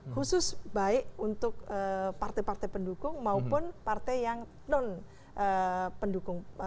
khusus baik untuk partai partai pendukung maupun partai yang non pendukung